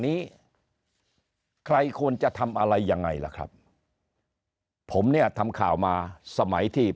นี้ใครควรจะทำอะไรยังไงล่ะครับผมเนี่ยทำข่าวมาสมัยที่